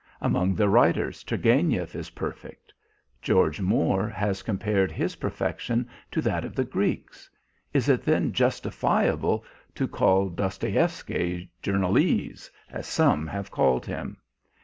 Among the writers Turgenev is perfect. George Moore has compared his perfection to that of the Greeks; is it then justifiable to call Dostoevsky journalese, as some have called him?